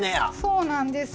そうなんです。